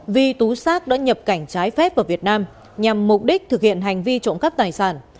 vi tú sác đã nhập cảnh trái phép vào việt nam nhằm mục đích thực hiện hành vi trộn cắt tài sản